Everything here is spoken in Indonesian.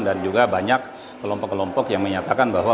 juga banyak kelompok kelompok yang menyatakan bahwa